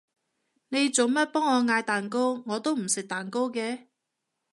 你做乜幫我嗌蛋糕？我都唔食蛋糕嘅